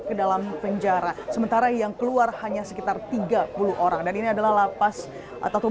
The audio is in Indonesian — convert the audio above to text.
ke dalam penjara sementara yang keluar hanya sekitar tiga puluh orang dan ini adalah lapas ataupun